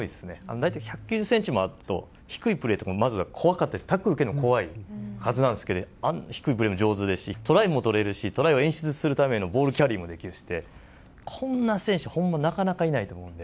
大体、１９０センチもあると、低いプレーとか怖かったり、タックルを受けるの怖いはずなんですけど、低いプレーとか上手ですし、トライも取れるし、トライを演出するためのボールキャリーもできるしで、こんな選手、ほんまなかなかいないと思うんで。